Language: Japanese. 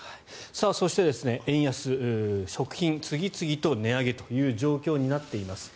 そして、円安食品、次々と値上げという状況になっています。